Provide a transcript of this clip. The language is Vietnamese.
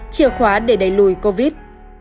chìa khóa để đẩy lùi covid